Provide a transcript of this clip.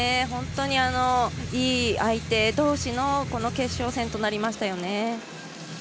本当にいい相手同士のこの決勝戦となりましたよね。